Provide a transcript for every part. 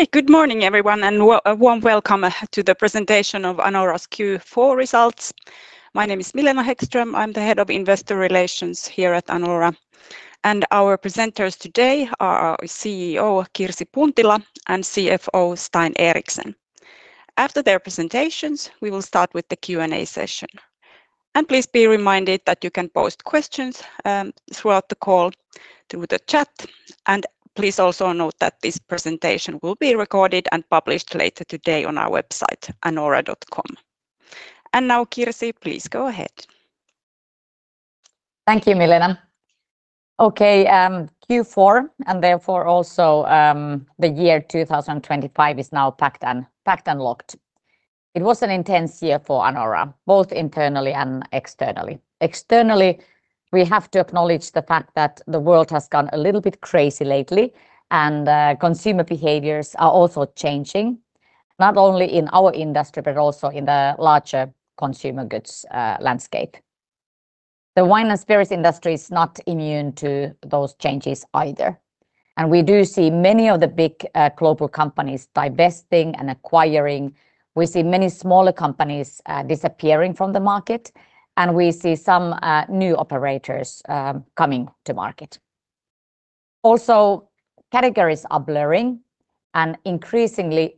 Okay, good morning everyone, and warm welcome to the presentation of Anora's Q4 results. My name is Milena Häggström, I'm the Head of Investor Relations here at Anora, and our presenters today are CEO Kirsi Puntila and CFO Stein Eriksen. After their presentations, we will start with the Q&A session. And please be reminded that you can post questions throughout the call through the chat, and please also note that this presentation will be recorded and published later today on our website, anora.com. And now Kirsi, please go ahead. Thank you, Milena. Okay, Q4, and therefore also the year 2025 is now packed and locked. It was an intense year for Anora, both internally and externally. Externally, we have to acknowledge the fact that the world has gone a little bit crazy lately, and consumer behaviors are also changing, not only in our industry but also in the larger consumer goods landscape. The wine and spirits industry is not immune to those changes either, and we do see many of the big global companies divesting and acquiring. We see many smaller companies disappearing from the market, and we see some new operators coming to market. Also, categories are blurring, and increasingly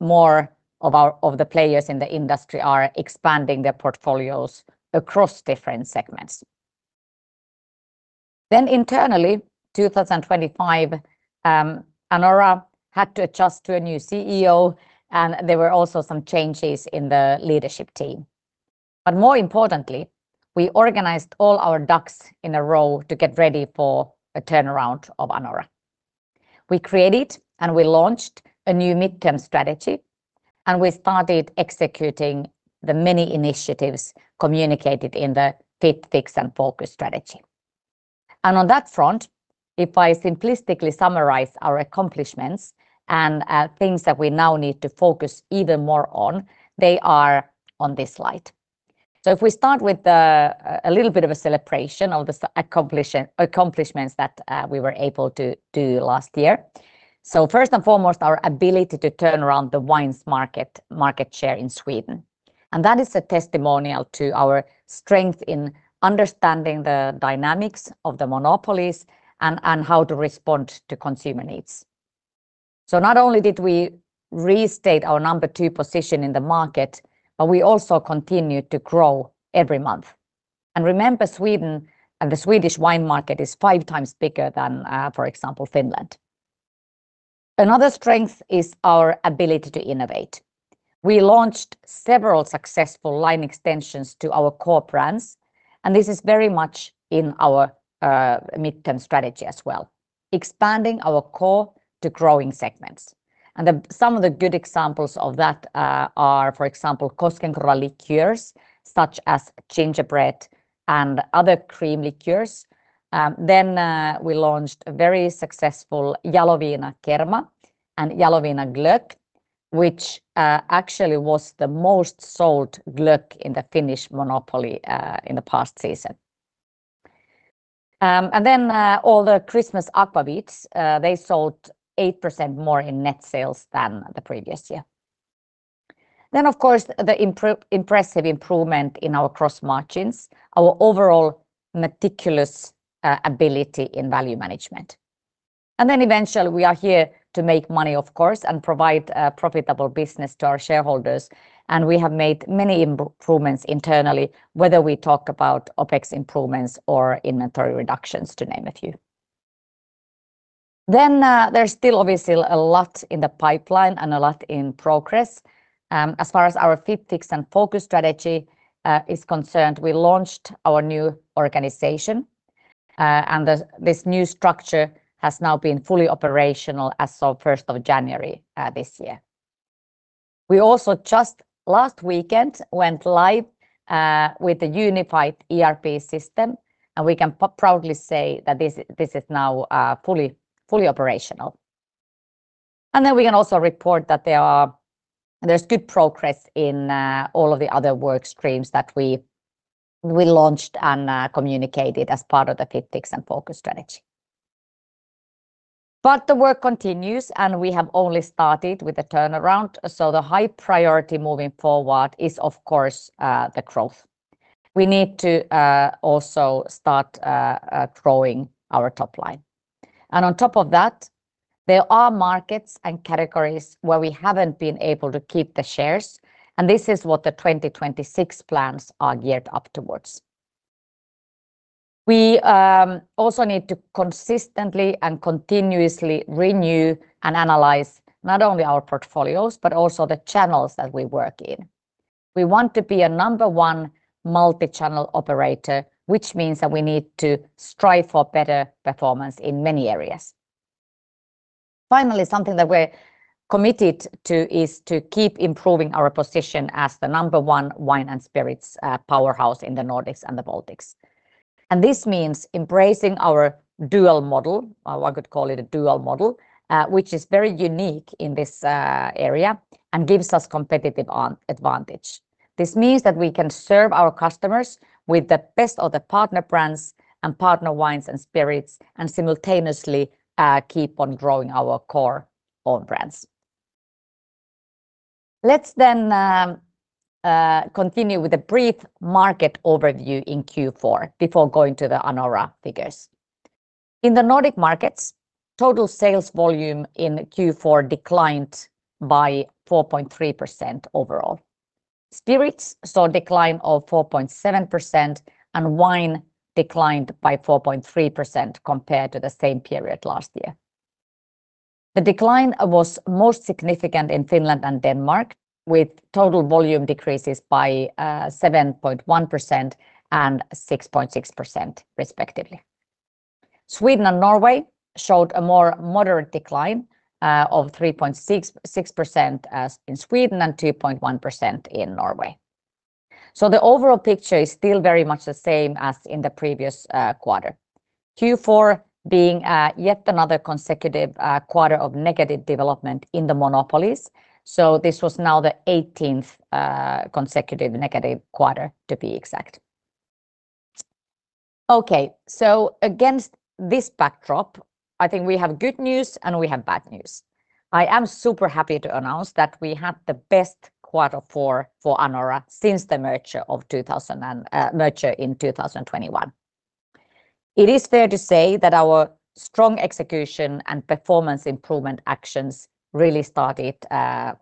more of the players in the industry are expanding their portfolios across different segments. Then internally, 2025, Anora had to adjust to a new CEO, and there were also some changes in the leadership team. But more importantly, we organized all our ducks in a row to get ready for a turnaround of Anora. We created and we launched a new midterm strategy, and we started executing the many initiatives communicated in the Fit, Fix, and Focus strategy. On that front, if I simplistically summarize our accomplishments and things that we now need to focus even more on, they are on this slide. If we start with a little bit of a celebration of the accomplishments that we were able to do last year. First and foremost, our ability to turn around the wine's market share in Sweden, and that is a testimonial to our strength in understanding the dynamics of the monopolies and how to respond to consumer needs. Not only did we restate our number two position in the market, but we also continued to grow every month. Remember, Sweden and the Swedish wine market is 5x bigger than, for example, Finland. Another strength is our ability to innovate. We launched several successful line extensions to our core brands, and this is very much in our midterm strategy as well, expanding our core to growing segments. Some of the good examples of that are, for example, Koskenkorva liqueurs, such as Gingerbread and other cream liqueurs. We launched a very successful Jaloviina Kerma and Jaloviina Glögg, which actually was the most sold glögg in the Finnish monopoly in the past season. All the Christmas Aquavits, they sold 8% more in net sales than the previous year. Of course, the impressive improvement in our gross margins, our overall meticulous ability in value management. And then eventually we are here to make money, of course, and provide a profitable business to our shareholders, and we have made many improvements internally, whether we talk about OpEx improvements or inventory reductions, to name a few. Then there's still obviously a lot in the pipeline and a lot in progress. As far as our Fit, Fix, and Focus strategy is concerned, we launched our new organization, and this new structure has now been fully operational as of 1st of January this year. We also just last weekend went live with the unified ERP system, and we can proudly say that this is now fully operational. And then we can also report that there's good progress in all of the other work streams that we launched and communicated as part of the Fit, Fix, and Focus strategy. But the work continues, and we have only started with a turnaround, so the high priority moving forward is, of course, the growth. We need to also start growing our top line. And on top of that, there are markets and categories where we haven't been able to keep the shares, and this is what the 2026 plans are geared up towards. We also need to consistently and continuously renew and analyze not only our portfolios but also the channels that we work in. We want to be a number one multi-channel operator, which means that we need to strive for better performance in many areas. Finally, something that we're committed to is to keep improving our position as the number one wine and spirits powerhouse in the Nordics and the Baltics. This means embracing our dual model, or I could call it a dual model, which is very unique in this area and gives us competitive advantage. This means that we can serve our customers with the best of the partner brands and partner wines and spirits and simultaneously keep on growing our core own brands. Let's continue with a brief market overview in Q4 before going to the Anora figures. In the Nordic markets, total sales volume in Q4 declined by 4.3% overall. Spirits saw a decline of 4.7%, and wine declined by 4.3% compared to the same period last year. The decline was most significant in Finland and Denmark, with total volume decreases by 7.1% and 6.6% respectively. Sweden and Norway showed a more moderate decline of 3.6% in Sweden and 2.1% in Norway. So the overall picture is still very much the same as in the previous quarter, Q4 being yet another consecutive quarter of negative development in the monopolies. So this was now the 18th consecutive negative quarter, to be exact. Okay, so against this backdrop, I think we have good news and we have bad news. I am super happy to announce that we had the best quarter four for Anora since the merger in 2021. It is fair to say that our strong execution and performance improvement actions really started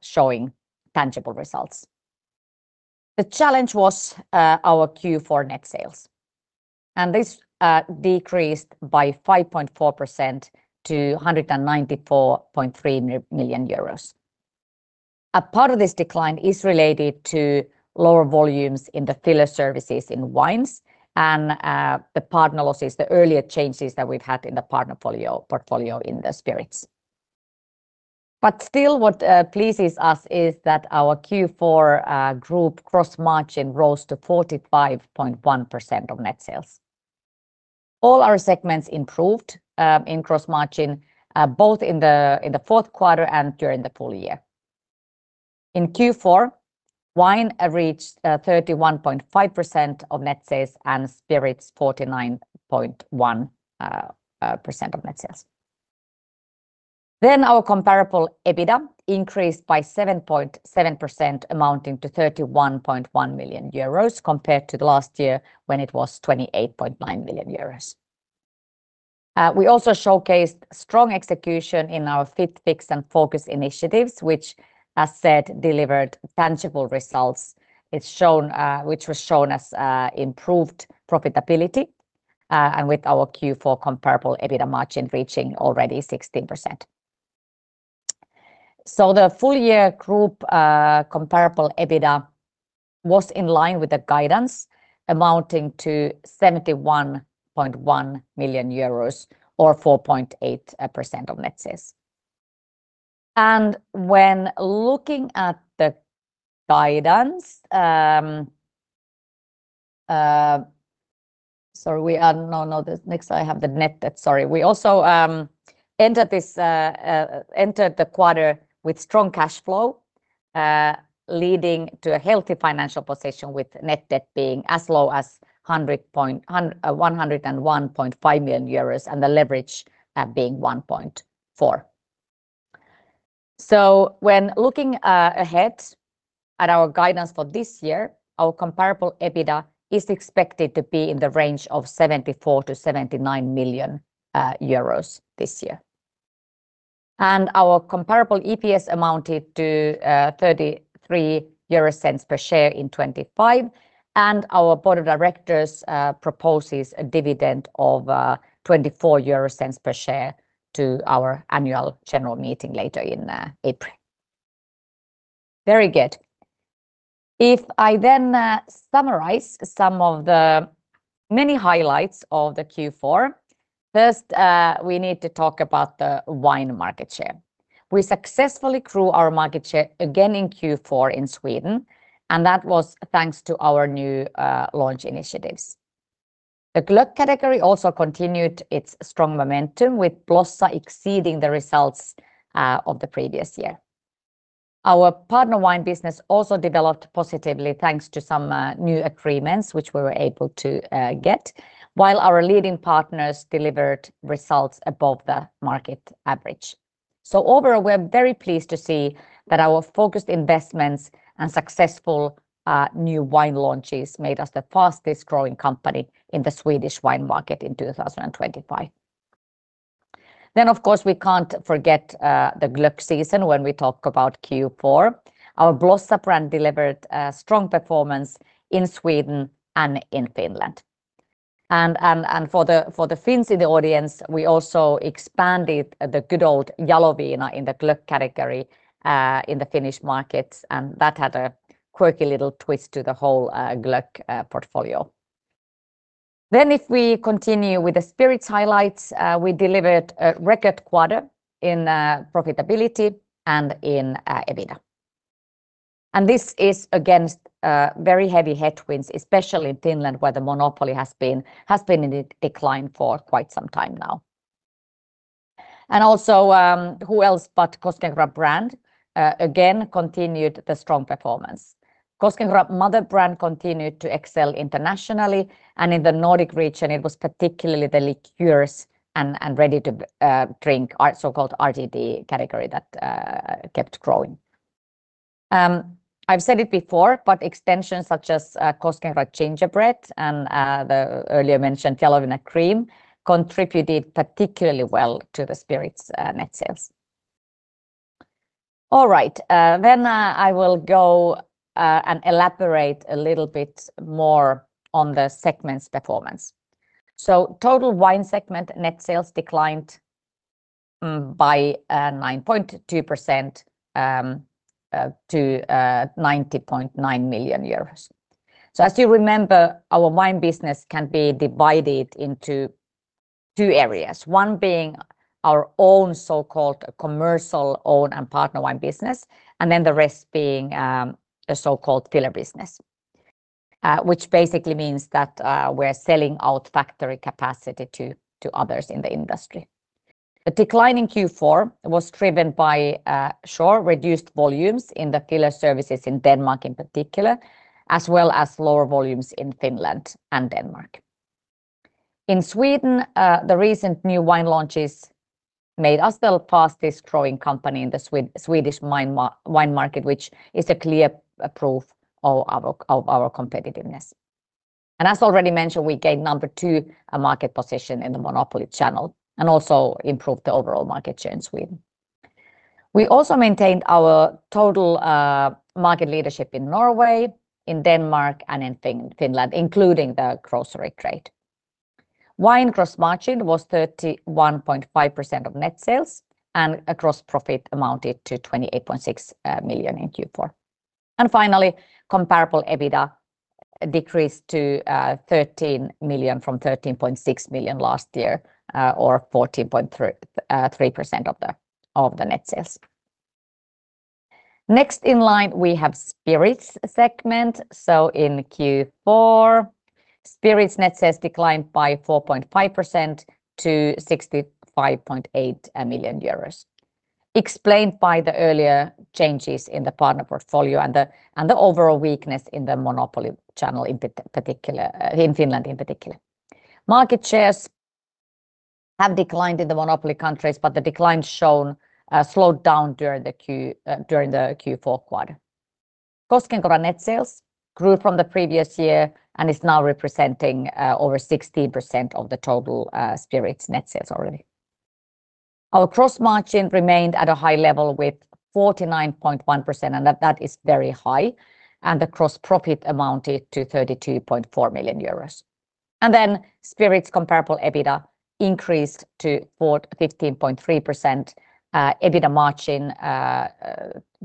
showing tangible results. The challenge was our Q4 net sales, and this decreased by 5.4% to 194.3 million euros. A part of this decline is related to lower volumes in the filler services in wines, and the partner losses, the earlier changes that we've had in the partner portfolio in the spirits. But still, what pleases us is that our Q4 group gross margin rose to 45.1% of net sales. All our segments improved in gross margin, both in the fourth quarter and during the full year. In Q4, wine reached 31.5% of net sales and spirits 49.1% of net sales. Then our comparable EBITDA increased by 7.7%, amounting to 31.1 million euros compared to the last year when it was 28.9 million euros. We also showcased strong execution in our Fit, Fix, and Focus initiatives, which, as said, delivered tangible results, which was shown as improved profitability and with our Q4 comparable EBITDA margin reaching already 16%. So the full year group comparable EBITDA was in line with the guidance, amounting to 71.1 million euros or 4.8% of net sales. And when looking at the guidance, sorry, next I have the net debt, sorry. We also entered the quarter with strong cash flow, leading to a healthy financial position with net debt being as low as 101.5 million euros and the leverage being 1.4. So when looking ahead at our guidance for this year, our comparable EBITDA is expected to be in the range of 74 million-79 million euros this year. Our comparable EPS amounted to 0.33 per share in 2025, and our board of directors proposes a dividend of 0.24 per share to our annual general meeting later in April. Very good. If I then summarize some of the many highlights of the Q4, first we need to talk about the wine market share. We successfully grew our market share again in Q4 in Sweden, and that was thanks to our new launch initiatives. The glögg category also continued its strong momentum, with Blossa exceeding the results of the previous year. Our partner wine business also developed positively thanks to some new agreements which we were able to get, while our leading partners delivered results above the market average. So overall, we are very pleased to see that our focused investments and successful new wine launches made us the fastest growing company in the Swedish wine market in 2025. Then, of course, we can't forget the glögg season when we talk about Q4. Our Blossa brand delivered strong performance in Sweden and in Finland. And for the Finns in the audience, we also expanded the good old Jaloviina in the glögg category in the Finnish markets, and that had a quirky little twist to the whole glögg portfolio. Then if we continue with the spirits highlights, we delivered a record quarter in profitability and in EBITDA. And this is against very heavy headwinds, especially in Finland, where the monopoly has been in decline for quite some time now. And also, who else but Koskenkorva brand again continued the strong performance. Koskenkorva mother brand continued to excel internationally, and in the Nordic region, it was particularly the liqueurs and ready-to-drink so-called RTD category that kept growing. I've said it before, but extensions such as Koskenkorva Gingerbread and the earlier mentioned Jaloviina Kerma contributed particularly well to the spirits net sales. All right, then I will go and elaborate a little bit more on the segments performance. So total wine segment net sales declined by 9.2% to 90.9 million euros. As you remember, our wine business can be divided into two areas, one being our own so-called commercial own and partner wine business, and then the rest being a so-called filler business, which basically means that we are selling out factory capacity to others in the industry. The declining Q4 was driven by, sure, reduced volumes in the filler services in Denmark in particular, as well as lower volumes in Finland and Denmark. In Sweden, the recent new wine launches made us the fastest growing company in the Swedish wine market, which is a clear proof of our competitiveness. As already mentioned, we gained number two market position in the monopoly channel and also improved the overall market share in Sweden. We also maintained our total market leadership in Norway, in Denmark, and in Finland, including the grocery trade. Wine gross margin was 31.5% of net sales, and gross profit amounted to 28.6 million in Q4. Finally, comparable EBITDA decreased to 13 million from 13.6 million last year, or 14.3% of the net sales. Next in line, we have spirits segment. In Q4, spirits net sales declined by 4.5% to 65.8 million euros, explained by the earlier changes in the partner portfolio and the overall weakness in the monopoly channel in particular, in Finland in particular. Market shares have declined in the monopoly countries, but the decline shown slowed down during the Q4 quarter. Koskenkorva net sales grew from the previous year and is now representing over 16% of the total spirits net sales already. Our gross margin remained at a high level with 49.1%, and that is very high, and the gross profit amounted to 32.4 million euros. And then spirits comparable EBITDA increased to 15.3%, EBITDA margin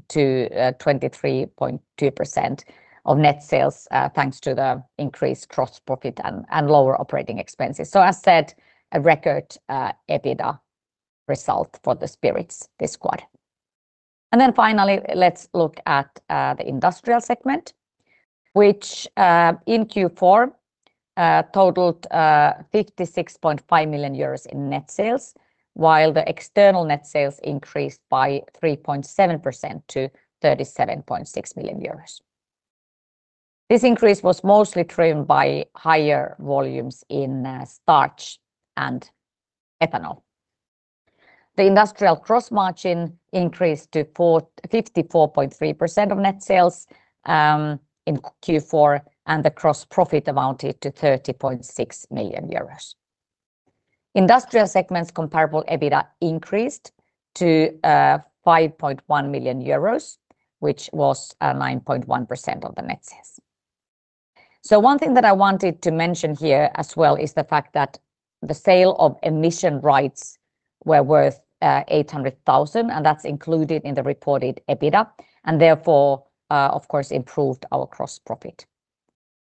to 23.2% of net sales thanks to the increased gross profit and lower operating expenses. So as said, a record EBITDA result for the spirits this quarter. And then finally, let's look at the industrial segment, which in Q4 totaled 56.5 million euros in net sales, while the external net sales increased by 3.7% to 37.6 million euros. This increase was mostly driven by higher volumes in starch and ethanol. The industrial gross margin increased to 54.3% of net sales in Q4, and the gross profit amounted to 30.6 million euros. Industrial segment's comparable EBITDA increased to 5.1 million euros, which was 9.1% of the net sales. So one thing that I wanted to mention here as well is the fact that the sale of emission rights were worth 800,000, and that's included in the reported EBITDA, and therefore, of course, improved our gross profit.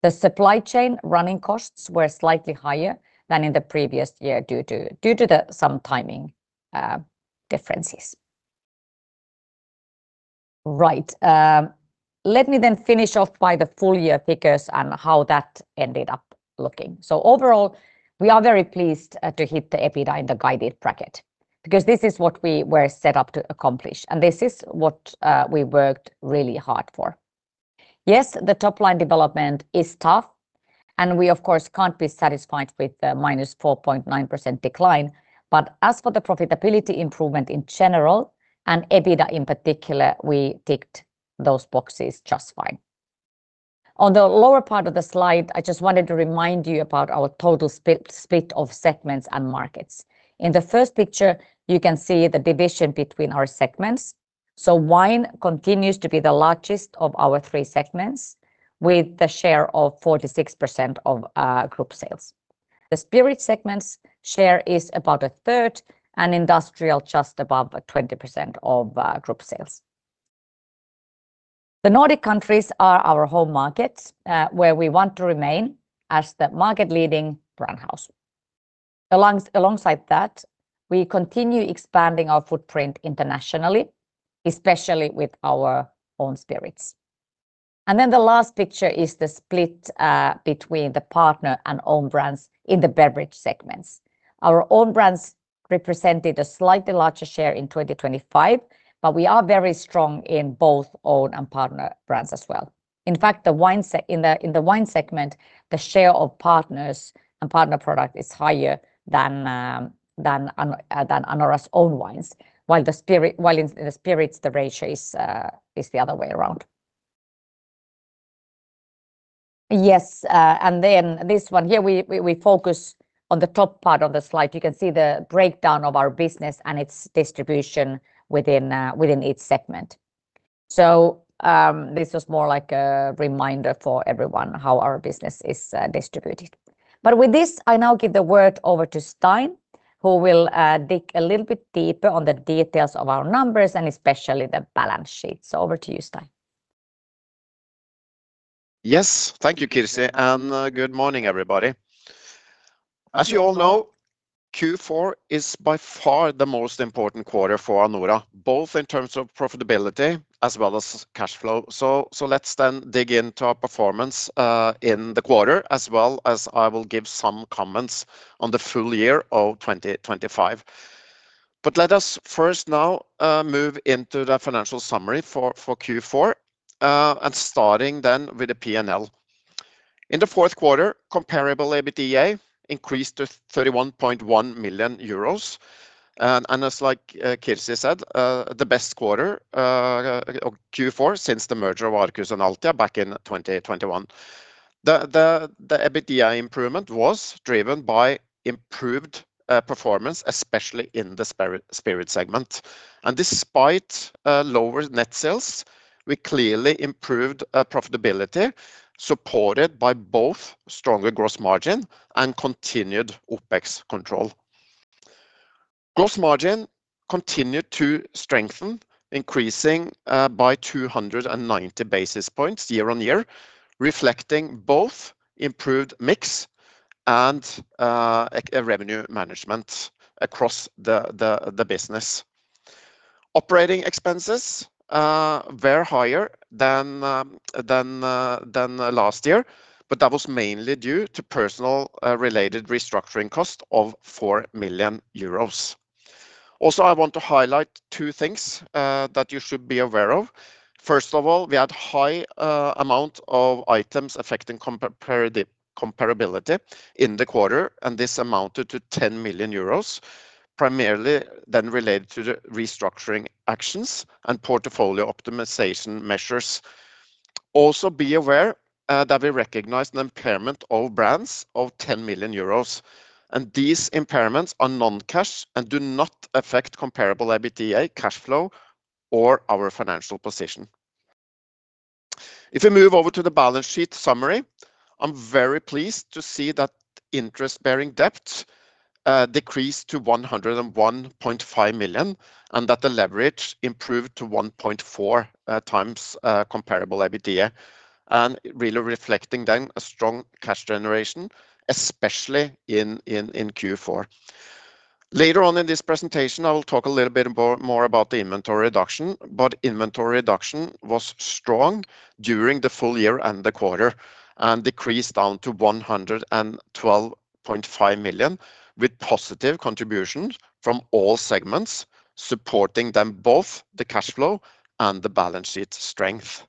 The supply chain running costs were slightly higher than in the previous year due to some timing differences. Right, let me then finish off by the full year figures and how that ended up looking. So overall, we are very pleased to hit the EBITDA in the guided bracket because this is what we were set up to accomplish, and this is what we worked really hard for. Yes, the top line development is tough, and we, of course, can't be satisfied with the -4.9% decline, but as for the profitability improvement in general and EBITDA in particular, we ticked those boxes just fine. On the lower part of the slide, I just wanted to remind you about our total split of segments and markets. In the first picture, you can see the division between our segments. So wine continues to be the largest of our three segments with the share of 46% of group sales. The spirits segment's share is about a third, and industrial just above 20% of group sales. The Nordic countries are our home markets where we want to remain as the market-leading brand house. Alongside that, we continue expanding our footprint internationally, especially with our own spirits. And then the last picture is the split between the partner and own brands in the beverage segments. Our own brands represented a slightly larger share in 2025, but we are very strong in both own and partner brands as well. In fact, in the wine segment, the share of partners and partner products is higher than Anora's own wines, while in the spirits, the ratio is the other way around. Yes, and then this one here, we focus on the top part of the slide. You can see the breakdown of our business and its distribution within each segment. So this was more like a reminder for everyone how our business is distributed. But with this, I now give the word over to Stein, who will dig a little bit deeper on the details of our numbers and especially the balance sheet. So over to you, Stein. Yes, thank you, Kirsi, and good morning, everybody. As you all know, Q4 is by far the most important quarter for Anora, both in terms of profitability as well as cash flow. So let's then dig into our performance in the quarter, as well as I will give some comments on the full year of 2025. But let us first now move into the financial summary for Q4, and starting then with the P&L. In the fourth quarter, comparable EBITDA increased to 31.1 million euros, and as like Kirsi said, the best quarter of Q4 since the merger of Arcus and Altia back in 2021. The EBITDA improvement was driven by improved performance, especially in the spirit segment. And despite lower net sales, we clearly improved profitability, supported by both stronger gross margin and continued OpEx control. Gross margin continued to strengthen, increasing by 290 basis points year-on-year, reflecting both improved mix and revenue management across the business. Operating expenses were higher than last year, but that was mainly due to personal-related restructuring costs of 4 million euros. Also, I want to highlight two things that you should be aware of. First of all, we had a high amount of items affecting comparability in the quarter, and this amounted to 10 million euros, primarily then related to the restructuring actions and portfolio optimization measures. Also, be aware that we recognized an impairment of brands of 10 million euros, and these impairments are non-cash and do not affect comparable EBITDA cash flow or our financial position. If we move over to the balance sheet summary, I'm very pleased to see that interest-bearing debt decreased to 101.5 million and that the leverage improved to 1.4x comparable EBITDA, and really reflecting then a strong cash generation, especially in Q4. Later on in this presentation, I will talk a little bit more about the inventory reduction, but inventory reduction was strong during the full year and the quarter and decreased down to 112.5 million with positive contributions from all segments, supporting them both the cash flow and the balance sheet strength.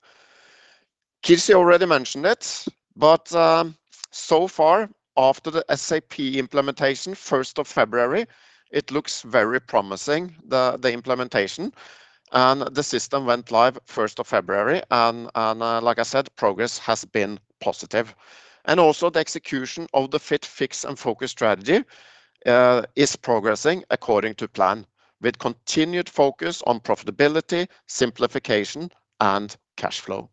Kirsi already mentioned it, but so far, after the SAP implementation 1st of February, it looks very promising, the implementation, and the system went live 1st of February. And like I said, progress has been positive. And also, the execution of the Fit, Fix, and Focus strategy is progressing according to plan, with continued focus on profitability, simplification, and cash flow.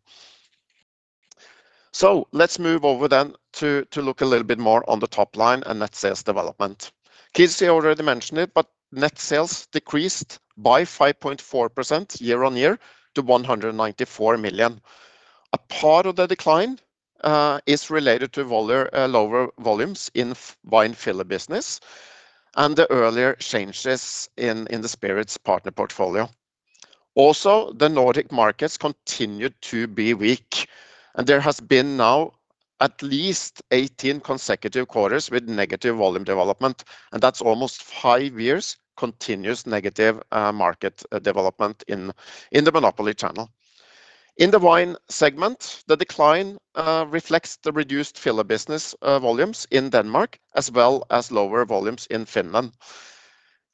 So let's move over then to look a little bit more on the top line and net sales development. Kirsi already mentioned it, but net sales decreased by 5.4% year-on-year to 194 million. A part of the decline is related to lower volumes in wine filler business and the earlier changes in the spirits partner portfolio. Also, the Nordic markets continued to be weak, and there has been now at least 18 consecutive quarters with negative volume development, and that's almost five years continuous negative market development in the monopoly channel. In the Wine segment, the decline reflects the reduced filler business volumes in Denmark as well as lower volumes in Finland.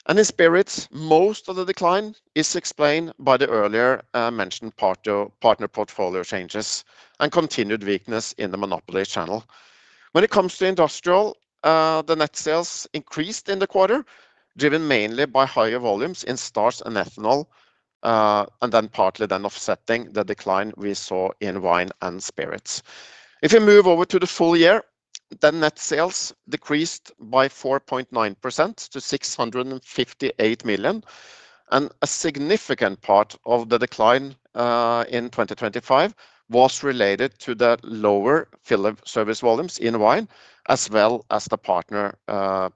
And in spirits, most of the decline is explained by the earlier mentioned partner portfolio changes and continued weakness in the monopoly channel. When it comes to industrial, the net sales increased in the quarter, driven mainly by higher volumes in starch and ethanol, and then partly offsetting the decline we saw in wine and spirits. If we move over to the full year, then net sales decreased by 4.9% to 658 million, and a significant part of the decline in 2025 was related to the lower filler service volumes in wine as well as the partner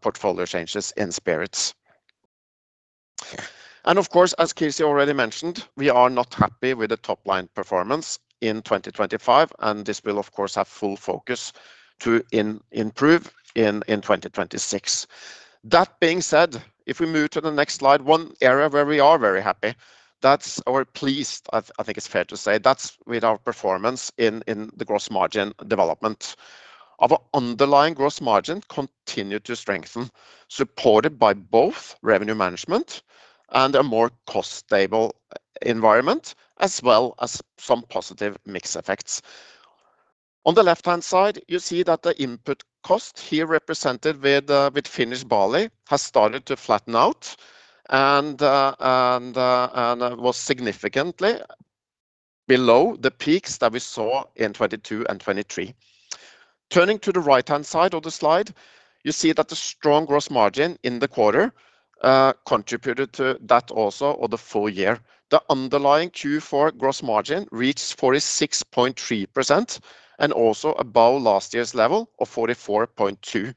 portfolio changes in spirits. Of course, as Kirsi already mentioned, we are not happy with the top line performance in 2025, and this will, of course, have full focus to improve in 2026. That being said, if we move to the next slide, one area where we are very happy, that's or pleased, I think it's fair to say, that's with our performance in the gross margin development. Our underlying gross margin continued to strengthen, supported by both revenue management and a more cost-stable environment as well as some positive mix effects. On the left-hand side, you see that the input cost here represented with Finnish barley has started to flatten out and was significantly below the peaks that we saw in 2022 and 2023. Turning to the right-hand side of the slide, you see that the strong gross margin in the quarter contributed to that also of the full year. The underlying Q4 gross margin reached 46.3% and also above last year's level of 44.2%.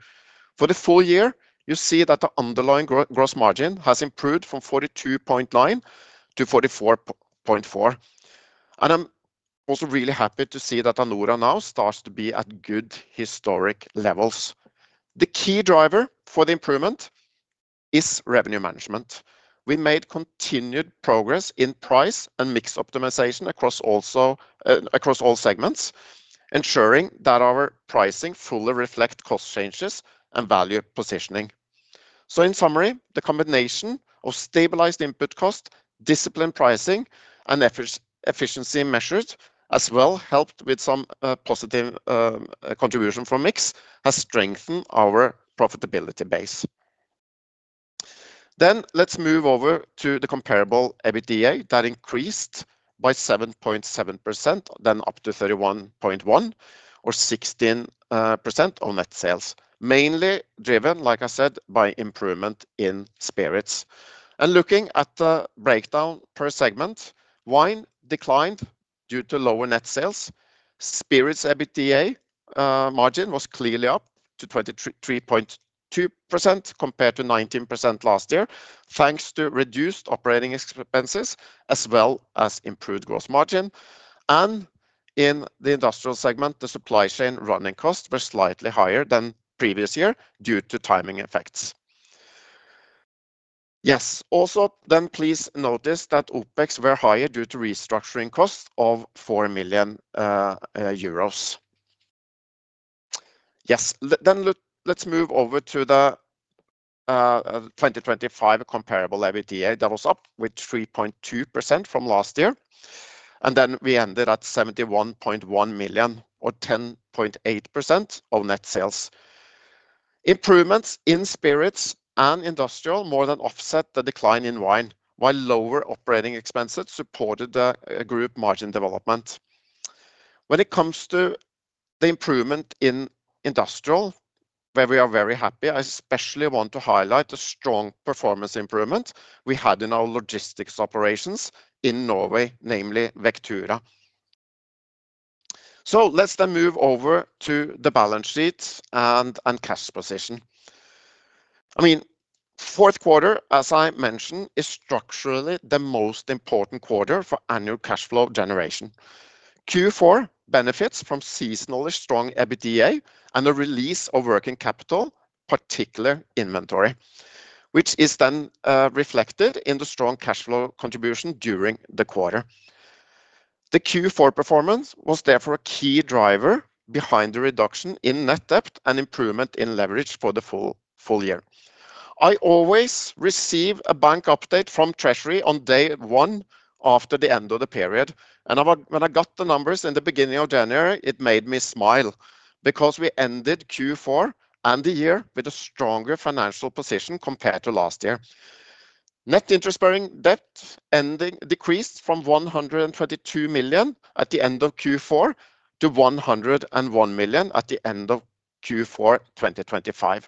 For the full year, you see that the underlying gross margin has improved from 42.9% to 44.4%. I'm also really happy to see that Anora now starts to be at good historic levels. The key driver for the improvement is revenue management. We made continued progress in price and mix optimization across all segments, ensuring that our pricing fully reflects cost changes and value positioning. So in summary, the combination of stabilized input cost, disciplined pricing, and efficiency measures, as well helped with some positive contribution from mix, has strengthened our profitability base. Then let's move over to the comparable EBITDA that increased by 7.7%, then up to 31.1% or 16% of net sales, mainly driven, like I said, by improvement in spirits. And looking at the breakdown per segment, wine declined due to lower net sales. Spirits EBITDA margin was clearly up to 23.2% compared to 19% last year, thanks to reduced operating expenses as well as improved gross margin. And in the industrial segment, the supply chain running costs were slightly higher than previous year due to timing effects. Yes, also then please notice that OpEx were higher due to restructuring costs of EUR 4 million. Yes, then let's move over to the 2025 comparable EBITDA that was up 3.2% from last year. Then we ended at 71.1 million or 10.8% of net sales. Improvements in spirits and industrial more than offset the decline in wine, while lower operating expenses supported the group margin development. When it comes to the improvement in industrial, where we are very happy, I especially want to highlight the strong performance improvement we had in our logistics operations in Norway, namely Vectura. So let's then move over to the balance sheet and cash position. I mean, fourth quarter, as I mentioned, is structurally the most important quarter for annual cash flow generation. Q4 benefits from seasonally strong EBITDA and the release of working capital, particularly inventory, which is then reflected in the strong cash flow contribution during the quarter. The Q4 performance was therefore a key driver behind the reduction in net debt and improvement in leverage for the full year. I always receive a bank update from Treasury on day one after the end of the period, and when I got the numbers in the beginning of January, it made me smile because we ended Q4 and the year with a stronger financial position compared to last year. Net interest-bearing debt decreased from 122 million at the end of Q4 to 101 million at the end of Q4 2025.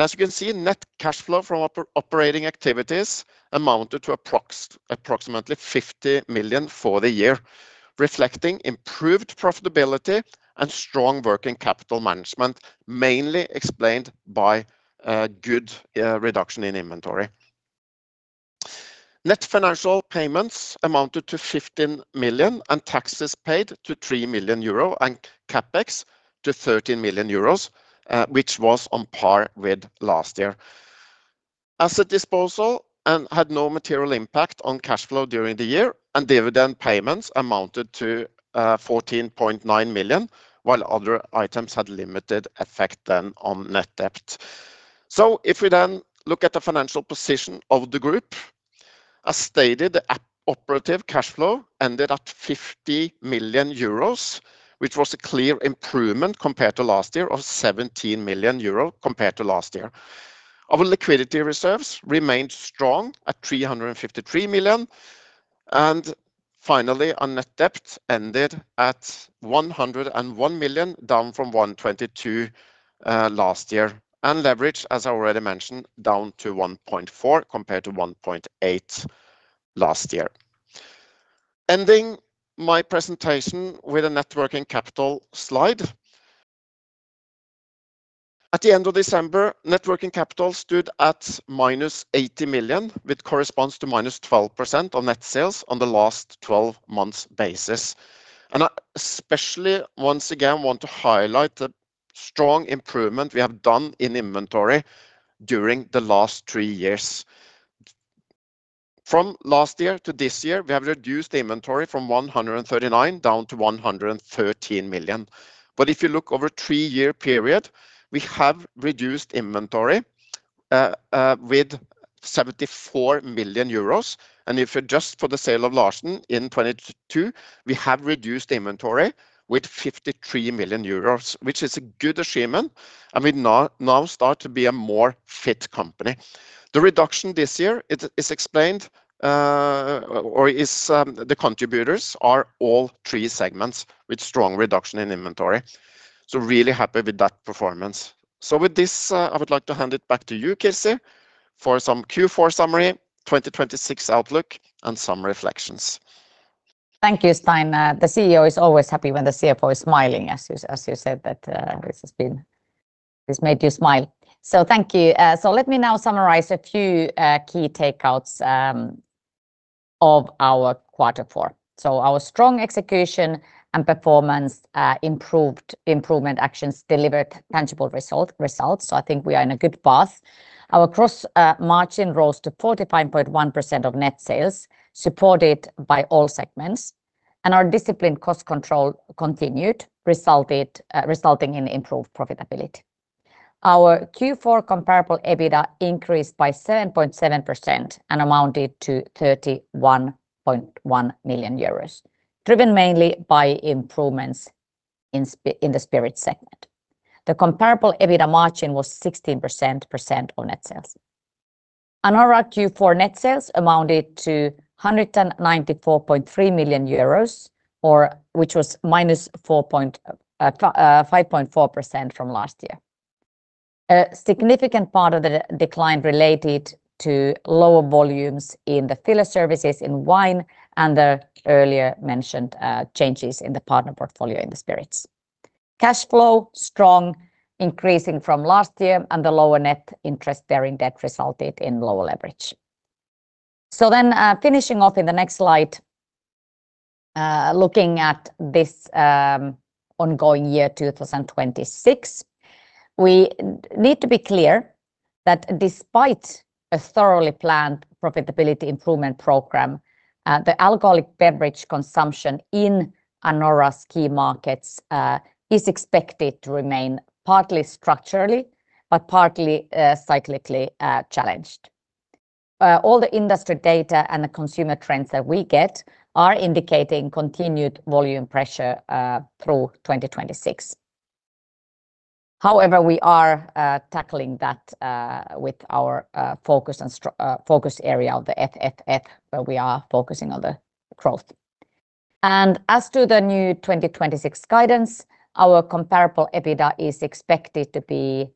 As you can see, net cash flow from operating activities amounted to approximately 50 million for the year, reflecting improved profitability and strong working capital management, mainly explained by good reduction in inventory. Net financial payments amounted to 15 million and taxes paid to 3 million euro and CapEx to 13 million euros, which was on par with last year. Asset disposal had no material impact on cash flow during the year, and dividend payments amounted to 14.9 million, while other items had limited effect then on net debt. So if we then look at the financial position of the group, as stated, the operative cash flow ended at 50 million euros, which was a clear improvement compared to last year of 17 million euro compared to last year. Our liquidity reserves remained strong at 353 million. And finally, our net debt ended at 101 million, down from 122 million last year, and leverage, as I already mentioned, down to 1.4 compared to 1.8 last year. Ending my presentation with a net working capital slide. At the end of December, net working capital stood at -80 million, which corresponds to -12% of net sales on the last 12 months basis. I especially once again want to highlight the strong improvement we have done in inventory during the last three years. From last year to this year, we have reduced inventory from 139 million to 113 million. But if you look over a three-year period, we have reduced inventory with 74 million euros. And if you adjust for the sale of Larsen in 2022, we have reduced inventory with 53 million euros, which is a good achievement and would now start to be a more fit company. The reduction this year is explained or the contributors are all three segments with strong reduction in inventory. Really happy with that performance. With this, I would like to hand it back to you, Kirsi, for some Q4 summary, 2026 outlook, and some reflections. Thank you, Stein. The CEO is always happy when the CFO is smiling, as you said that this has made you smile. Thank you. Let me now summarize a few key takeouts of our quarter four. Our strong execution and performance, improvement actions delivered tangible results. I think we are on a good path. Our gross margin rose to 45.1% of net sales, supported by all segments, and our disciplined cost control continued, resulting in improved profitability. Our Q4 comparable EBITDA increased by 7.7% and amounted to 31.1 million euros, driven mainly by improvements in the spirits segment. The comparable EBITDA margin was 16% of net sales. Anora Q4 net sales amounted to 194.3 million euros, which was -5.4% from last year. A significant part of the decline related to lower volumes in the filler services in wine and the earlier mentioned changes in the partner portfolio in the spirits. Cash flow strong, increasing from last year, and the lower net interest bearing debt resulted in lower leverage. Finishing off in the next slide, looking at this ongoing year 2026, we need to be clear that despite a thoroughly planned profitability improvement program, the alcoholic beverage consumption in Anora's key markets is expected to remain partly structurally but partly cyclically challenged. All the industry data and the consumer trends that we get are indicating continued volume pressure through 2026. However, we are tackling that with our focus and focus area of the FFF, where we are focusing on the growth. As to the new 2026 guidance, our comparable EBITDA is expected to be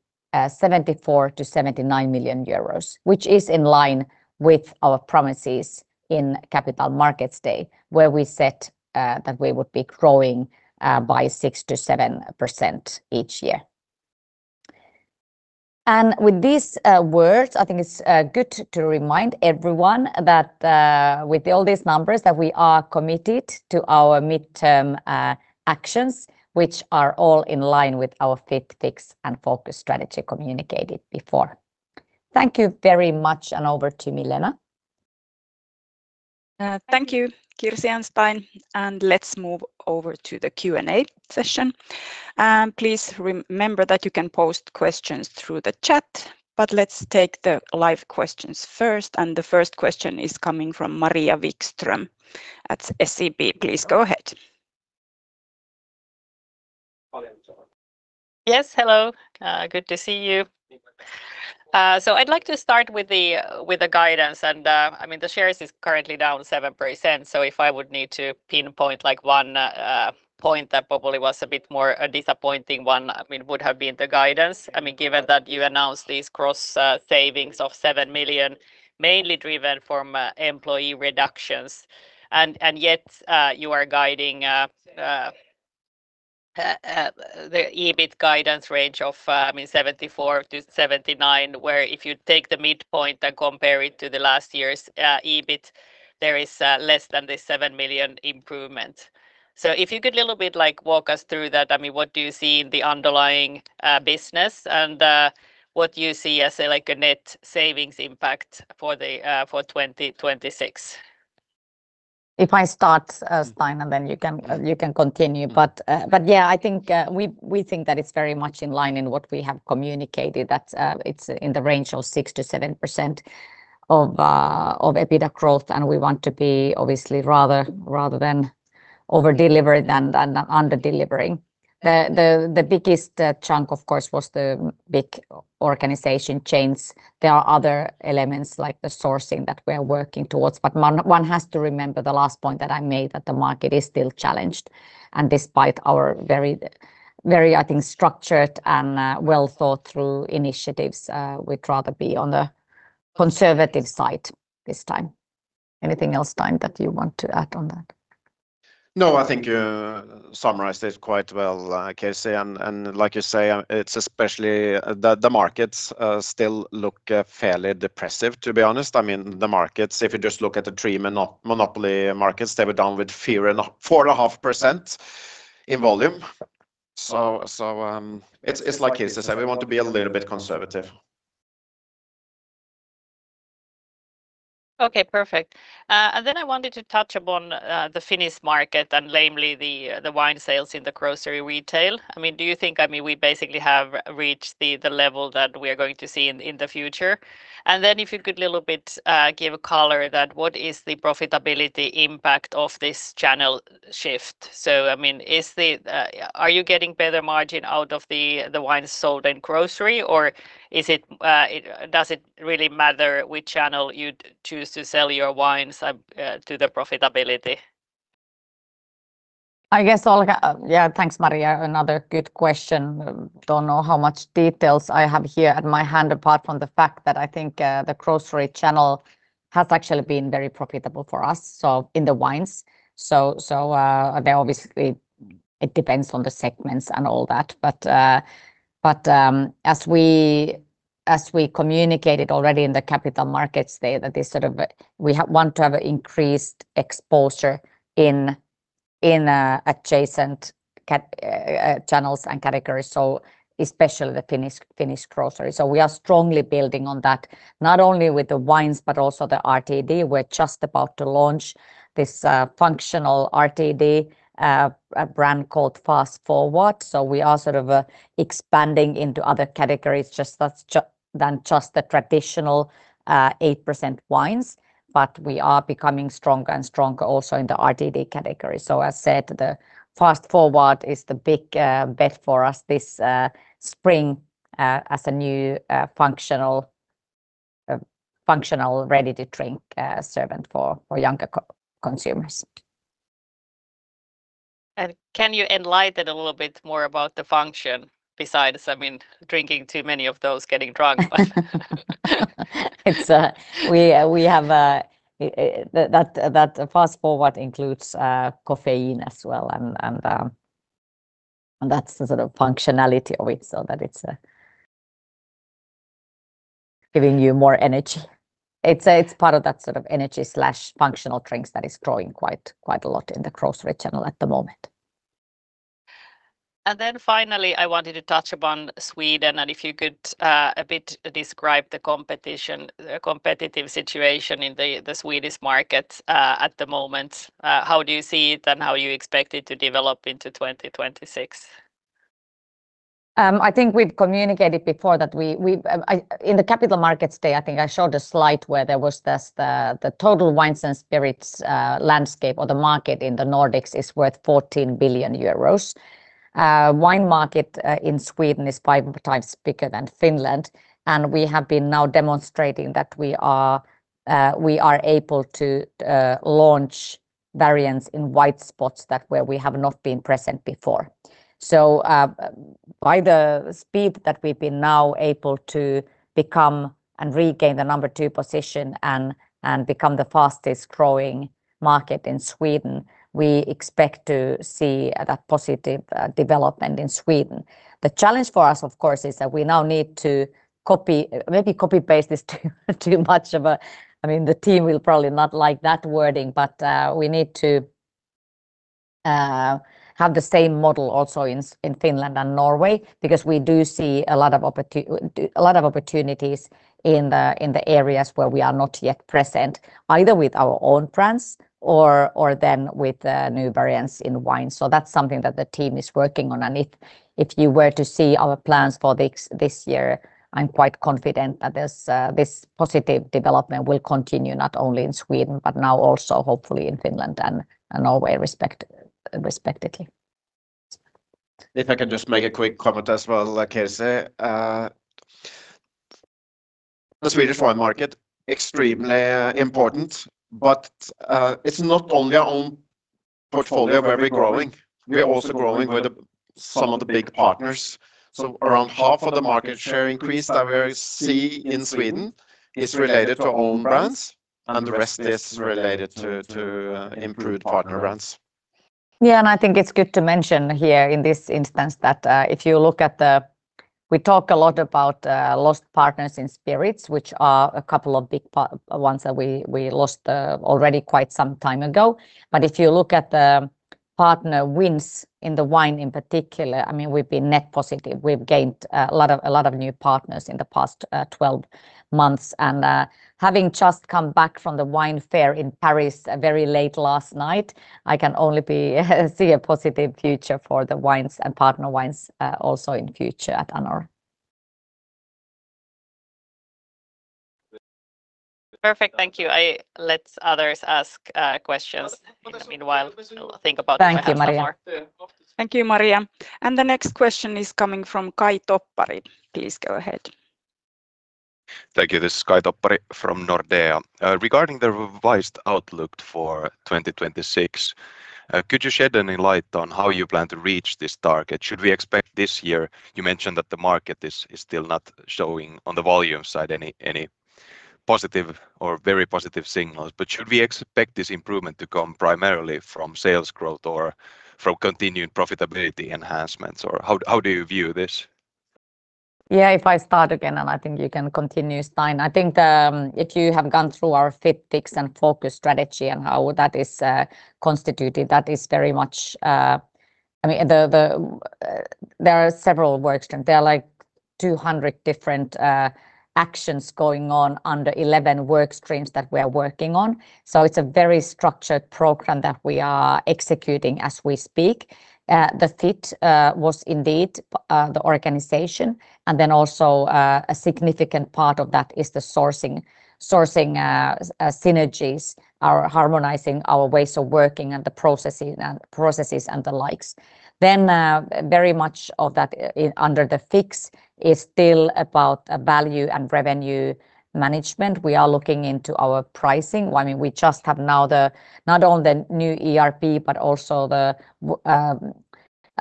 74 million-79 million euros, which is in line with our promises in Capital Markets Day, where we set that we would be growing by 6%-7% each year. With these words, I think it's good to remind everyone that with all these numbers that we are committed to our midterm actions, which are all in line with our Fit, Fix, and Focus strategy communicated before. Thank you very much, and over to Milena. Thank you, Kirsi and Stein. Let's move over to the Q&A session. Please remember that you can post questions through the chat, but let's take the live questions first. The first question is coming from Maria Wikström at SEB. Please go ahead. Yes, hello. Good to see you. So I'd like to start with the guidance. And I mean, the shares is currently down 7%. So if I would need to pinpoint one point that probably was a bit more disappointing one, I mean, would have been the guidance. I mean, given that you announced these cgross savings of 7 million, mainly driven from employee reductions. And yet you are guiding the EBIT guidance range of 74 million-79 million, where if you take the midpoint and compare it to the last year's EBIT, there is less than this 7 million improvement. So if you could a little bit walk us through that, I mean, what do you see in the underlying business and what do you see as a net savings impact for 2026? If I start, Stein, and then you can continue. But yeah, I think we think that it's very much in line with what we have communicated that it's in the range of 6%-7% of EBITDA growth. And we want to be obviously rather overdelivered than underdelivering. The biggest chunk, of course, was the big organization change. There are other elements like the sourcing that we are working towards. But one has to remember the last point that I made that the market is still challenged. And despite our very, I think, structured and well-thought-through initiatives, we'd rather be on the conservative side this time. Anything else, Stein, that you want to add on that? No, I think you summarized it quite well, Kirsi. And like you say, it's especially the markets still look fairly depressive, to be honest. I mean, the markets, if you just look at the three monopoly markets, they were down with 4.5% in volume. So it's like Kirsi said, we want to be a little bit conservative. Okay, perfect. And then I wanted to touch upon the Finnish market and namely the wine sales in the grocery retail. I mean, do you think, I mean, we basically have reached the level that we are going to see in the future? And then if you could a little bit give a color that what is the profitability impact of this channel shift? So I mean, are you getting better margin out of the wines sold in grocery, or does it really matter which channel you choose to sell your wines to the profitability? I guess all, yeah, thanks, Maria. Another good question. I don't know how much details I have here at my hand apart from the fact that I think the grocery channel has actually been very profitable for us, so in the wines. So obviously, it depends on the segments and all that. But as we communicated already in the Capital Markets Day that this sort of we want to have an increased exposure in adjacent channels and categories, so especially the Finnish grocery. So we are strongly building on that, not only with the wines, but also the RTD. We're just about to launch this functional RTD brand called Fast Forward. So we are sort of expanding into other categories than just the traditional 8% wines. But we are becoming stronger and stronger also in the RTD category. So as said, the Fast Forward is the big bet for us this spring as a new functional ready-to-drink beverage for younger consumers. Can you enlighten a little bit more about the function besides, I mean, drinking too many of those, getting drunk? We have that Fast Forward includes caffeine as well. That's the sort of functionality of it, so that it's giving you more energy. It's part of that sort of energy/functional drinks that is growing quite a lot in the grocery channel at the moment. Then finally, I wanted to touch upon Sweden. If you could a bit describe the competitive situation in the Swedish market at the moment, how do you see it and how you expect it to develop into 2026? I think we've communicated before that in the Capital Markets Day, I think I showed a slide where there was just the total wines and spirits landscape or the market in the Nordics is worth 14 billion euros. The wine market in Sweden is 5x bigger than Finland. We have been now demonstrating that we are able to launch variants in white spots where we have not been present before. So by the speed that we've been now able to become and regain the number two position and become the fastest growing market in Sweden, we expect to see that positive development in Sweden. The challenge for us, of course, is that we now need to maybe copy-paste this, I mean, the team will probably not like that wording, but we need to have the same model also in Finland and Norway because we do see a lot of opportunities in the areas where we are not yet present, either with our own brands or then with new variants in wines. So that's something that the team is working on. And if you were to see our plans for this year, I'm quite confident that this positive development will continue not only in Sweden, but now also hopefully in Finland and Norway respectively. If I can just make a quick comment as well, Kirsi. The Swedish wine market is extremely important, but it's not only our own portfolio where we're growing. We're also growing with some of the big partners. So around half of the market share increase that we see in Sweden is related to own brands, and the rest is related to improved partner brands. Yeah, and I think it's good to mention here in this instance that if you look at, we talk a lot about lost partners in spirits, which are a couple of big ones that we lost already quite some time ago. But if you look at the partner wins in the wine in particular, I mean, we've been net positive. We've gained a lot of new partners in the past 12 months. And having just come back from the wine fair in Paris very late last night, I can only see a positive future for the wines and partner wines also in future at Anora. Perfect. Thank you. Let others ask questions meanwhile. Think about it. Thank you, Maria. Thank you, Maria. The next question is coming from Caj Toppari. Please go ahead. Thank you. This is Caj Toppari from Nordea. Regarding the revised outlook for 2026, could you shed any light on how you plan to reach this target? Should we expect, this year you mentioned that the market is still not showing on the volume side any positive or very positive signals, but should we expect this improvement to come primarily from sales growth or from continued profitability enhancements? Or how do you view this? Yeah, if I start again, and I think you can continue, Stein. I think if you have gone through our Fit, Fix, and Focus strategy and how that is constituted, that is very much I mean, there are several workstreams. There are like 200 different actions going on under 11 workstreams that we are working on. So it's a very structured program that we are executing as we speak. The fit was indeed the organization. And then also a significant part of that is the sourcing synergies, harmonizing our ways of working and the processes and the likes. Then very much of that under the fix is still about value and revenue management. We are looking into our pricing. I mean, we just have now not only the new ERP, but also the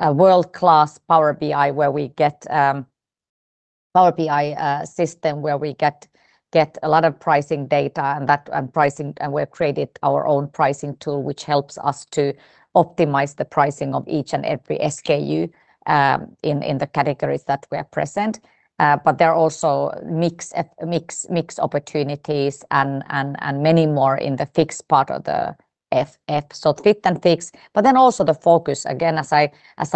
world-class Power BI where we get Power BI system where we get a lot of pricing data. We've created our own pricing tool, which helps us to optimize the pricing of each and every SKU in the categories that we are present. There are also mixed opportunities and many more in the Fit part of the FF. Fit and fix. Then also the focus, again, as I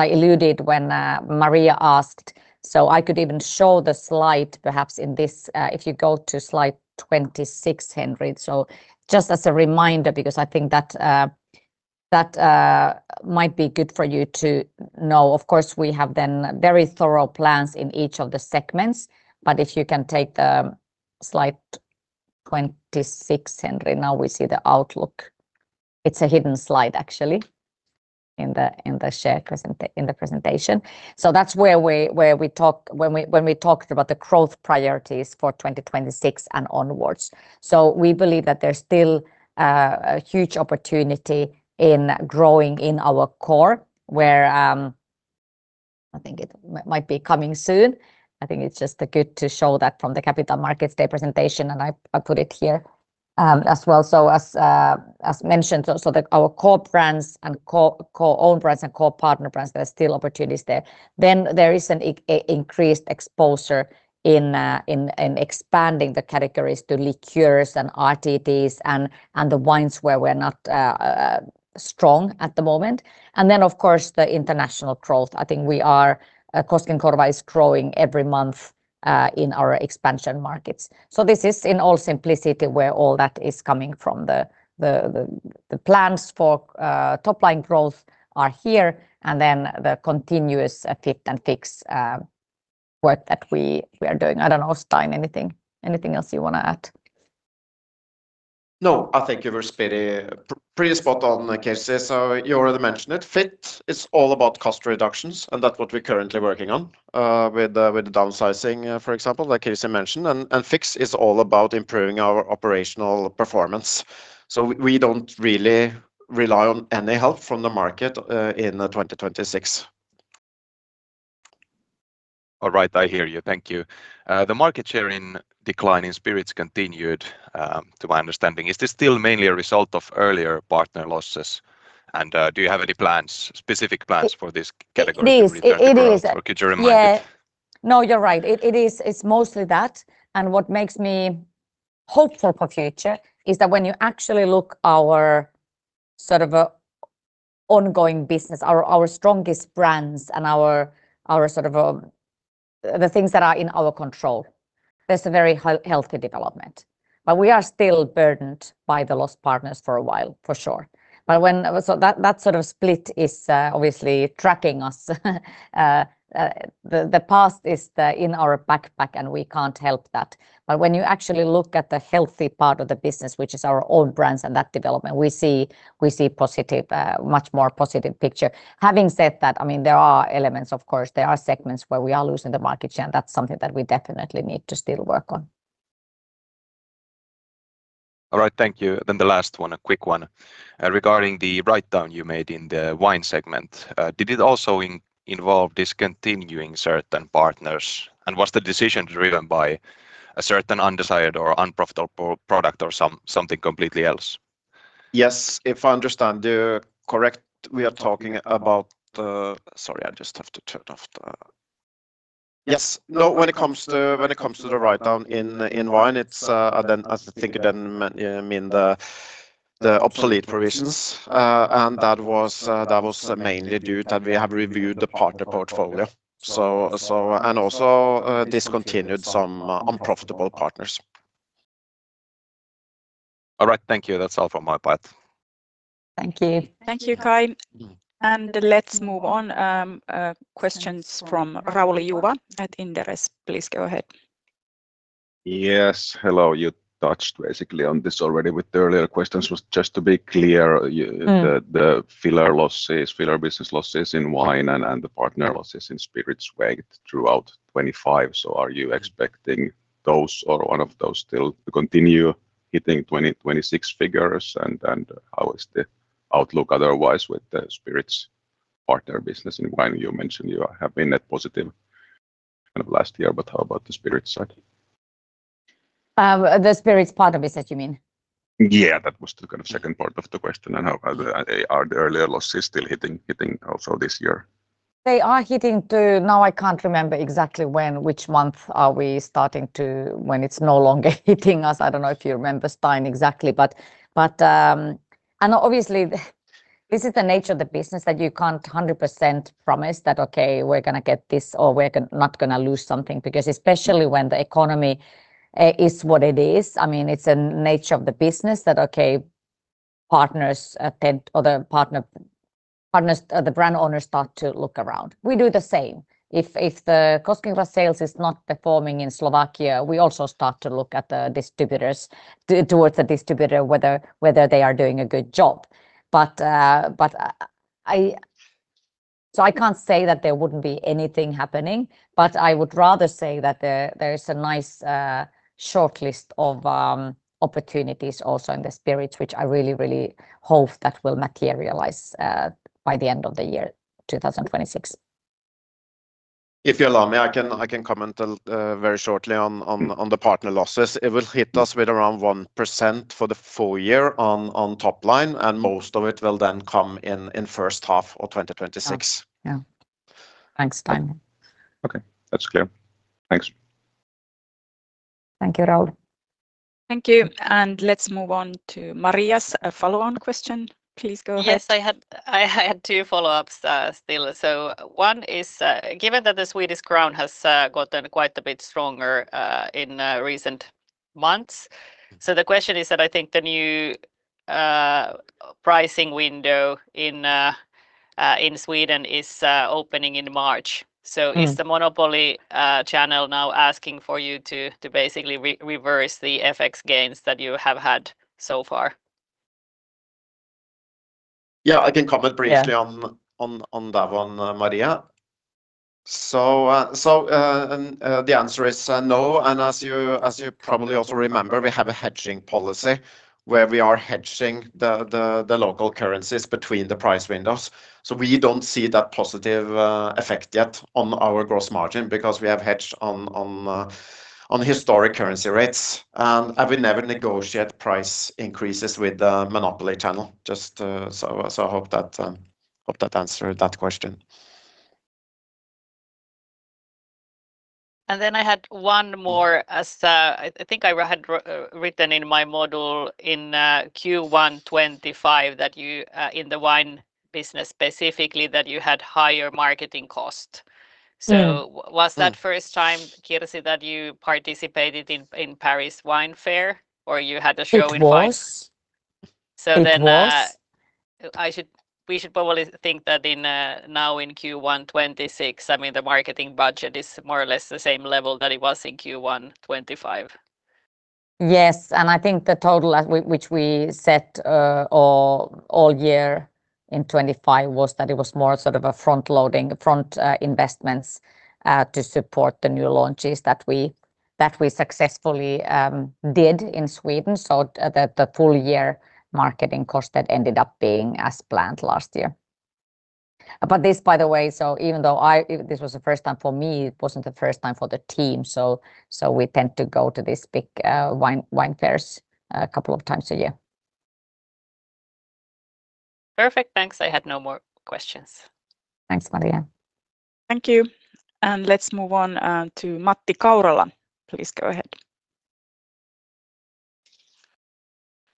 alluded when Maria asked, so I could even show the slide perhaps in this if you go to slide 26, Henrik. Just as a reminder, because I think that might be good for you to know. Of course, we have then very thorough plans in each of the segments. If you can take the slide 26, Henrik, now we see the outlook. It's a hidden slide, actually, in the shared presentation. That's where we talked about the growth priorities for 2026 and onwards. So we believe that there's still a huge opportunity in growing in our core, where I think it might be coming soon. I think it's just good to show that from the Capital Markets Day presentation. And I put it here as well. So as mentioned, so that our core brands and core owned brands and core partner brands, there's still opportunities there. Then there is an increased exposure in expanding the categories to liqueurs and RTDs and the wines where we're not strong at the moment. And then, of course, the international growth. I think Koskenkorva is growing every month in our expansion markets. So this is, in all simplicity, where all that is coming from. The plans for top-line growth are here. And then the continuous fit and fix work that we are doing. I don't know, Stein, anything else you want to add? No, I think you were pretty spot on, Kirsi. So you already mentioned it. Fit is all about cost reductions. And that's what we're currently working on with the downsizing, for example, that Kirsi mentioned. And fix is all about improving our operational performance. So we don't really rely on any help from the market in 2026. All right, I hear you. Thank you. The market share in decline in spirits continued, to my understanding. Is this still mainly a result of earlier partner losses? Do you have any plans, specific plans for this category? It is. For future remarks? Yeah. No, you're right. It's mostly that. And what makes me hopeful for future is that when you actually look at our sort of ongoing business, our strongest brands and sort of the things that are in our control, there's a very healthy development. But we are still burdened by the lost partners for a while, for sure. So that sort of split is obviously tracking us. The past is in our backpack, and we can't help that. But when you actually look at the healthy part of the business, which is our own brands and that development, we see a much more positive picture. Having said that, I mean, there are elements, of course. There are segments where we are losing the market share. And that's something that we definitely need to still work on. All right, thank you. Then the last one, a quick one. Regarding the write-down you made in the wine segment, did it also involve discontinuing certain partners? And was the decision driven by a certain undesired or unprofitable product or something completely else? Yes, if I understand you correctly, we are talking about, when it comes to the write-down in wine, I think you then mean the obsolete provisions. And that was mainly due to that we have reviewed the partner portfolio, and also discontinued some unprofitable partners. All right, thank you. That's all from my part. Thank you. Thank you, Caj. Let's move on. Questions from Rauli Juva at Inderes. Please go ahead. Yes, hello. You touched basically on this already with the earlier questions. Just to be clear, the filler losses, filler business losses in wine and the partner losses in spirits weighed throughout 2025. So are you expecting those or one of those still to continue hitting 2026 figures? And how is the outlook otherwise with the spirits partner business in wine? You mentioned you have been net positive kind of last year, but how about the spirits side? The spirits part of business, you mean? Yeah, that was the kind of second part of the question. How are the earlier losses still hitting also this year? They are hitting to now. I can't remember exactly when, which month are we starting to when it's no longer hitting us. I don't know if you remember, Stein, exactly. Obviously, this is the nature of the business that you can't 100% promise that, "Okay, we're going to get this or we're not going to lose something," because especially when the economy is what it is. I mean, it's a nature of the business that, okay, partners tend or the brand owners start to look around. We do the same. If the Koskenkorva sales is not performing in Slovakia, we also start to look at the distributors towards the distributor, whether they are doing a good job. I can't say that there wouldn't be anything happening, but I would rather say that there is a nice shortlist of opportunities also in the spirits, which I really, really hope that will materialize by the end of the year, 2026. If you allow me, I can comment very shortly on the partner losses. It will hit us with around 1% for the full year on top line. Most of it will then come in first half of 2026. Yeah. Thanks, Stein. Okay, that's clear. Thanks. Thank you, Rauli. Thank you. Let's move on to Maria's follow-on question. Please go ahead. Yes, I had two follow-ups still. So one is, given that the Swedish crown has gotten quite a bit stronger in recent months, so the question is that I think the new pricing window in Sweden is opening in March. So is the monopoly channel now asking for you to basically reverse the FX gains that you have had so far? Yeah, I can comment briefly on that one, Maria. So the answer is no. And as you probably also remember, we have a hedging policy where we are hedging the local currencies between the price windows. So we don't see that positive effect yet on our gross margin because we have hedged on historic currency rates. And we never negotiate price increases with the monopoly channel. So I hope that answered that question. Then I had one more as I think I had written in my model in Q1 2025 that you in the wine business specifically that you had higher marketing cost. So was that first time, Kirsi, that you participated in Paris Wine Fair, or you had a show in Paris? It was. We should probably think that now in Q1 2026, I mean, the marketing budget is more or less the same level that it was in Q1 2025. Yes. And I think the total which we set all year in 2025 was that it was more sort of a front-loading, front investments to support the new launches that we successfully did in Sweden. So the full year marketing cost that ended up being as planned last year. But this, by the way, so even though this was the first time for me, it wasn't the first time for the team. So we tend to go to these big wine fairs a couple of times a year. Perfect. Thanks. I had no more questions. Thanks, Maria. Thank you. Let's move on to Matti Kaurala. Please go ahead.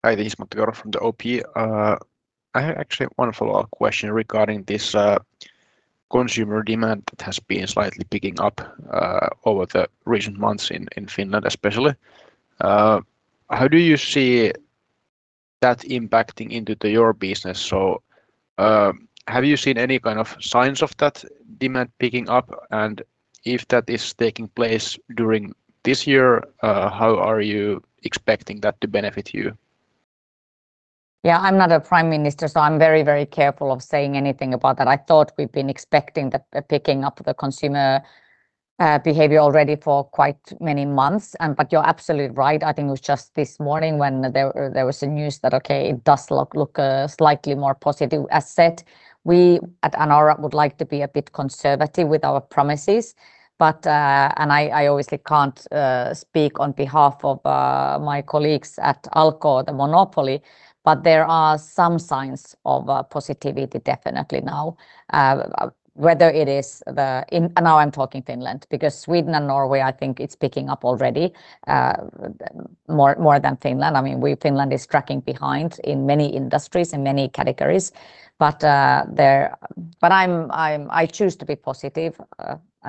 Hi, this is Matti Kaurala from the OP. I have actually one follow-up question regarding this consumer demand that has been slightly picking up over the recent months in Finland, especially. How do you see that impacting into your business? So have you seen any kind of signs of that demand picking up? If that is taking place during this year, how are you expecting that to benefit you? Yeah, I'm not a prime minister, so I'm very, very careful of saying anything about that. I thought we've been expecting the picking up of the consumer behavior already for quite many months. But you're absolutely right. I think it was just this morning when there was a news that, okay, it does look slightly more positive. As said, we at Anora would like to be a bit conservative with our promises. And I obviously can't speak on behalf of my colleagues at Alko, the monopoly, but there are some signs of positivity definitely now, whether it is the now I'm talking Finland, because Sweden and Norway, I think it's picking up already more than Finland. I mean, Finland is tracking behind in many industries, in many categories. But I choose to be positive.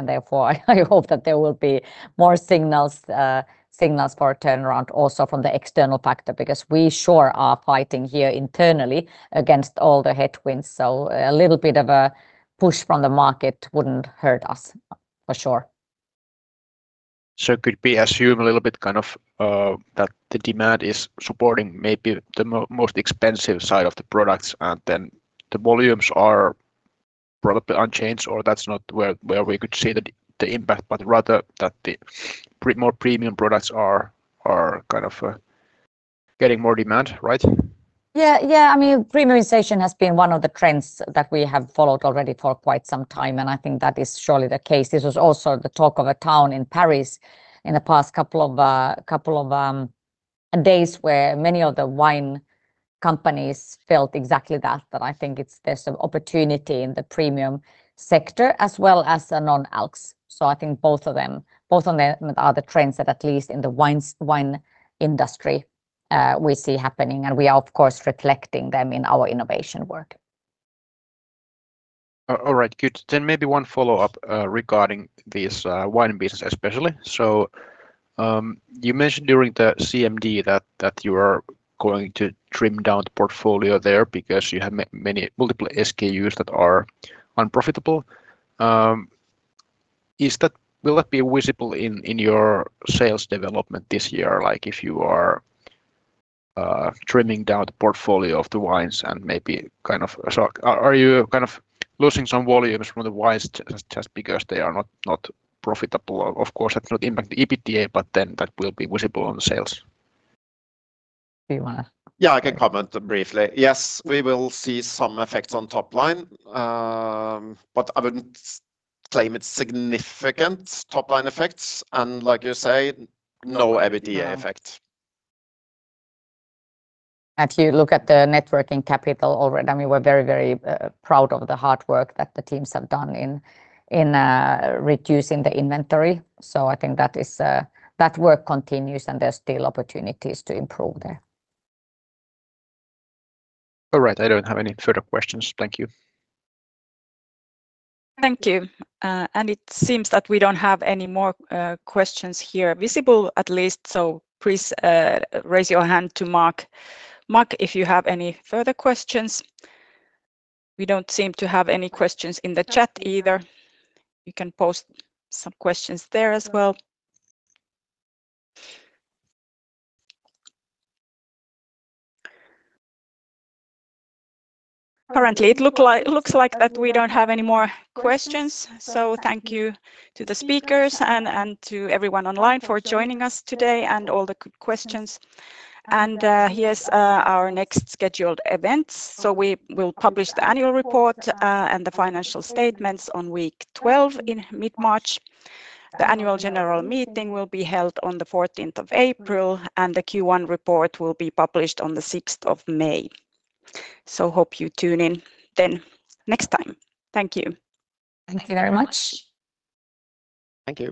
Therefore, I hope that there will be more signals for a turnaround also from the external factor because we sure are fighting here internally against all the headwinds. A little bit of a push from the market wouldn't hurt us, for sure. Could we assume a little bit kind of that the demand is supporting maybe the most expensive side of the products, and then the volumes are probably unchanged, or that's not where we could see the impact, but rather that the more premium products are kind of getting more demand, right? Yeah, yeah. I mean, premiumization has been one of the trends that we have followed already for quite some time. And I think that is surely the case. This was also the talk of the town in Paris in the past couple of days where many of the wine companies felt exactly that, that I think there's an opportunity in the premium sector as well as non-ALCs. So I think both of them are the trends that at least in the wine industry we see happening. And we are, of course, reflecting them in our innovation work. All right, good. Then maybe one follow-up regarding this wine business especially. So you mentioned during the CMD that you are going to trim down the portfolio there because you have many multiple SKUs that are unprofitable. Will that be visible in your sales development this year, like if you are trimming down the portfolio of the wines and maybe kind of so are you kind of losing some volumes from the wines just because they are not profitable? Of course, that doesn't impact the EBITDA, but then that will be visible on the sales. Do you want to? Yeah, I can comment briefly. Yes, we will see some effects on top line, but I wouldn't claim it's significant top line effects. Like you say, no EBITDA effect. If you look at the working capital already, I mean, we're very, very proud of the hard work that the teams have done in reducing the inventory. I think that work continues, and there's still opportunities to improve there. All right. I don't have any further questions. Thank you. Thank you. It seems that we don't have any more questions here visible, at least. Please raise your hand to Mark, if you have any further questions. We don't seem to have any questions in the chat either. You can post some questions there as well. Currently, it looks like that we don't have any more questions. Thank you to the speakers and to everyone online for joining us today and all the good questions. Here's our next scheduled events. We will publish the annual report and the financial statements on week 12 in mid-March. The annual general meeting will be held on the 14th of April, and the Q1 report will be published on the 6th of May. Hope you tune in then next time. Thank you. Thank you very much. Thank you.